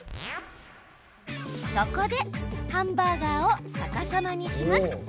そこでハンバーガーを逆さまにします。